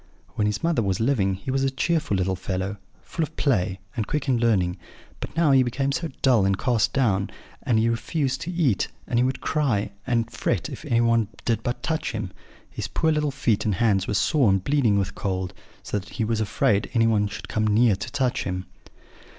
When his mother was living he was a cheerful little fellow, full of play, and quick in learning; but now he became dull and cast down, and he refused to eat; and he would cry and fret if anyone did but touch him. His poor little feet and hands were sore and bleeding with cold; so that he was afraid anyone should come near to touch him.